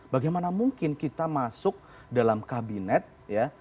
bagaimana mungkin kita masuk dalam kabinet ya